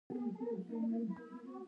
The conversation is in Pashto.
استاد بینوا د نوي نسل روزنه مهمه بلله.